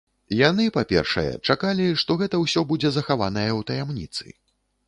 Яны, па-першае, чакалі, што гэта ўсё будзе захаванае ў таямніцы.